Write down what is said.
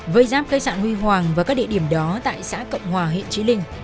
với giáp khai sạn huy hoàng và các địa điểm đó tại xã cộng hòa hiện trí linh